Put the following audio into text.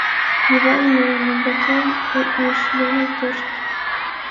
Йыван мыйын ӱмбакем ӱш дене тӧрштыш.